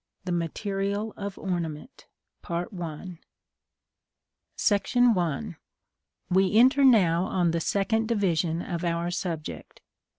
THE MATERIAL OF ORNAMENT. § I. We enter now on the second division of our subject.